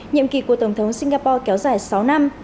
nhiệm kỳ của tổng thống singapore kéo dài sáu năm